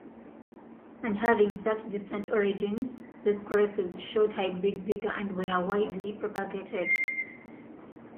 And having such distant origins, those crosses showed hybrid vigour and were widely propagated.